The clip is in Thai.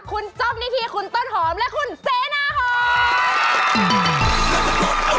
คุณจบนิทีคุณต้นหอมและคุณเจ๊น่าฮอม